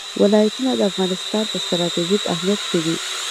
ولایتونه د افغانستان په ستراتیژیک اهمیت کې دي.